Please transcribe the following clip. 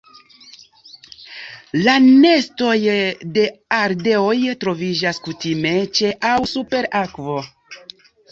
La nestoj de ardeoj troviĝas kutime ĉe aŭ super akvo.